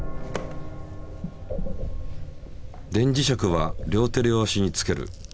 電磁石は両手両足につける。